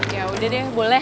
ya udah deh boleh